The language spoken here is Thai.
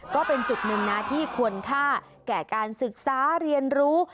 ก็เป็นจุดหนึ่งนะที่ควรค่าแก่การศึกษาเรียนรู้